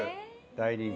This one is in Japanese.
大人気。